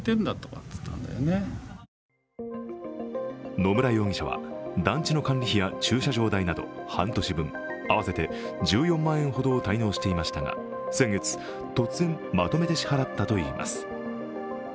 野村容疑者は団地の管理費や駐車場代など半年分、合わせて１４万円ほどを滞納していましたが、先月、突然まとめて支払ったといいます。